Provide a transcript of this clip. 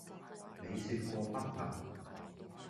你説過不能。」